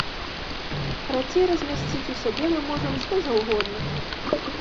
Карацей, размясціць у сябе мы можам, што заўгодна.